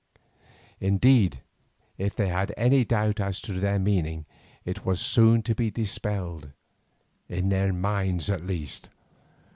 Indeed, if they had any doubt as to their meaning, it was soon to be dispelled, in their minds at least.